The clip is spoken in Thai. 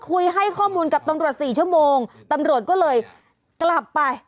ให้ข้อมูลกับตำรวจสี่ชั่วโมงตำรวจก็เลยกลับไป